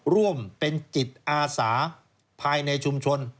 ร่วมเป็นจิตอาสาภายในชุมชน